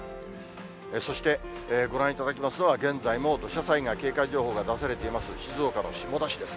そして、ご覧いただいていますのは、現在も土砂災害警戒情報が出されています